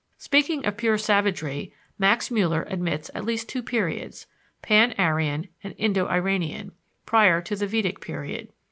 Speaking of pure savagery, Max Müller admits at least two periods pan Aryan and Indo Iranian prior to the Vedic period.